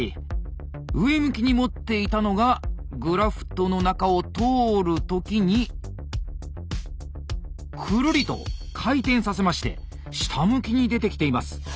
上向きに持っていたのがグラフトの中を通る時にくるりと回転させまして下向きに出てきています。